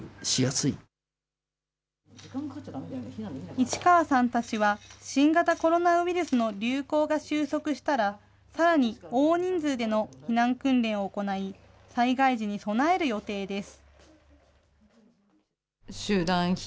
市川さんたちは、新型コロナウイルスの流行が収束したら、さらに大人数での避難訓練を行い、災害時に備える予定です。